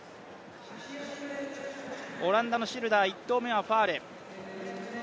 オランダのシルダー、１投目はファウル。